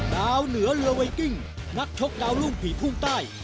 ดาวเหนือเรือไวกิ้งนักชกดาวรุ่งผีพุ่งใต้